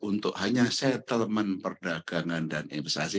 untuk hanya settlement perdagangan dan investasi